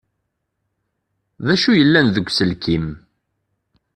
D acu yellan deg uelkim?